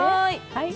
はい。